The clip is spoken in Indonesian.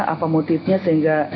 apa motifnya sehingga